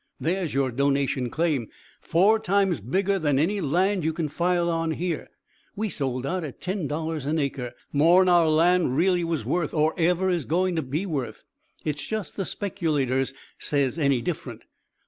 There's your donation claim, four times bigger than any land you can file on here. We sold out at ten dollars an acre more'n our land really was worth, or ever is going to be worth. It's just the speculators says any different.